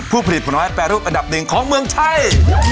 ผู้ผลิตผลไม้แปรรูปอันดับหนึ่งของเมืองไทย